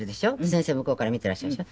先生向こうから見てらっしゃるでしょ。